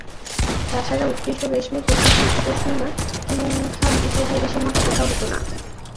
তা ছাড়া উৎকৃষ্ট রেশমী পশমিনা কিংখাব ইত্যাদি এদেশের মত কোথাও হত না।